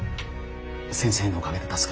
先生のおかげで助かりました。